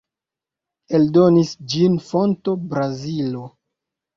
Eldonis ĝin Fonto, Brazilo.